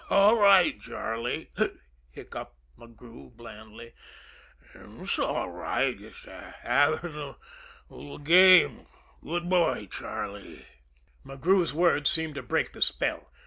"S'all right, Charlie," hiccoughed McGrew blandly. "S'all right jus' havin' little game good boy, Charlie." McGrew's words seemed to break the spell.